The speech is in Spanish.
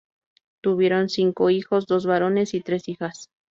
Tuvieron cinco hijos, dos varones y tres hijas.